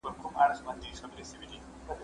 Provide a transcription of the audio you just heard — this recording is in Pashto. زه اوږده وخت د کتابتون لپاره کار کوم،